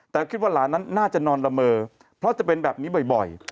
แต่คิดว่าหลานนั้นน่าจะนอนละเมอเพราะจะเป็นแบบนี้บ่อย